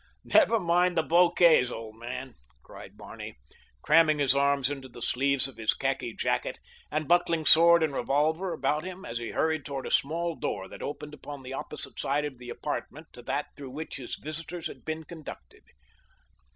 "Never mind the bouquets, old man," cried Barney, cramming his arms into the sleeves of his khaki jacket and buckling sword and revolver about him, as he hurried toward a small door that opened upon the opposite side of the apartment to that through which his visitors had been conducted.